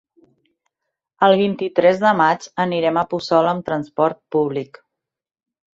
El vint-i-tres de maig anirem a Puçol amb transport públic.